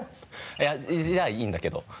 いやじゃあいいんだけど。